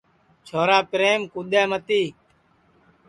چھورا پریم کُدؔے متی